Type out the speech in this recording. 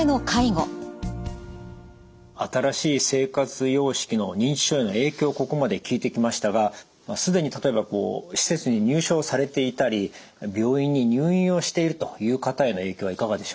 新しい生活様式の認知症への影響をここまで聞いてきましたが既に例えばこう施設に入所されていたり病院に入院をしているという方への影響はいかがでしょうか？